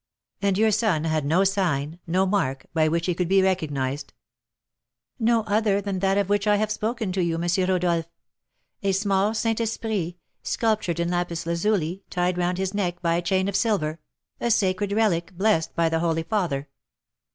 "And your son had no sign, no mark, by which he could be recognised?" "No other than that of which I have spoken to you, M. Rodolph, a small Saint Esprit, sculptured in lapis lazuli, tied round his neck by a chain of silver: a sacred relic, blessed by the holy father."